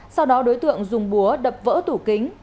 sau đó đối tượng dùng búa đập vỡ tủ kính